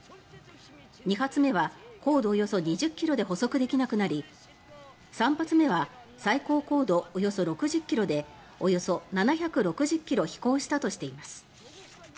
２発目は高度およそ２０ｋｍで捕捉できなくなり３発目は最高高度およそ６０ｋｍでおよそ７６０ｋｍ飛行したとしています。